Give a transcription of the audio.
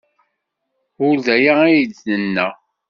Ur d aya ay d-nenna.